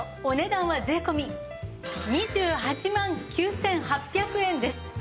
お値段は税込２８万９８００円です。